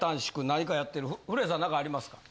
何かやってる古谷さん何かありますか？